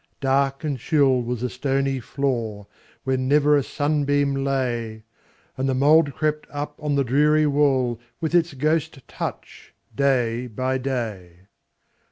Dark and chill was the stony floor, Where never a sunbeam lay, And the mould crept up on the dreary wall, With its ghost touch, day by day.